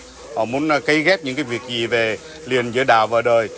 họ muốn cây ghép những cái việc gì về liền giữa đạo và đời